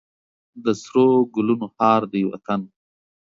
د سرو ګلونو هار دی وطن.